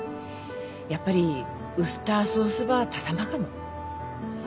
やっぱりウスターソースば足さんばかも。